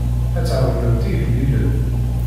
Ad tɛawnemt igellilen.